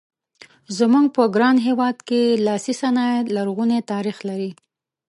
زموږ په ګران هېواد کې لاسي صنایع لرغونی تاریخ لري.